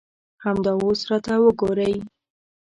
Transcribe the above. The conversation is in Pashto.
همدا اوس راته وګورئ.